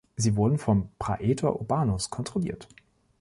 Sie wurden vom „praetor urbanus“ kontrolliert.